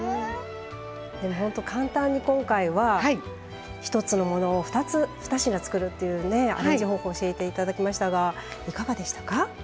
簡単に今回は１つのものを２品作るっていうアレンジ方法を教えていただきましたがいかがでしたか？